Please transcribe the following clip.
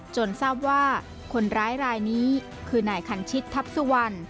ทราบว่าคนร้ายรายนี้คือนายคันชิตทัพสุวรรณ